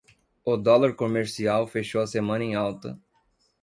O dólar comercial fechou a semana em alta